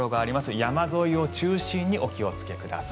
山沿いを中心にお気をつけください。